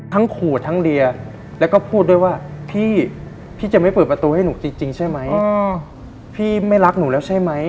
ขูดทั้งเรียแล้วก็พูดด้วยว่าพี่พี่จะไม่เปิดประตูให้หนูจริงใช่ไหมพี่ไม่รักหนูแล้วใช่ไหม